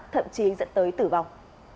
thậm chí dẫn tới tử vong